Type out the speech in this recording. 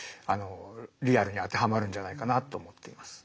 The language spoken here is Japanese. リアルに当てはまるんじゃないかなと思っています。